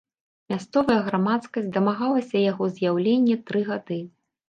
Мясцовая грамадскасць дамагалася яго з'яўлення тры гады.